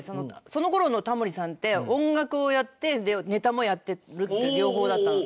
その頃のタモリさんって音楽をやってネタもやってるっていう両方だったの。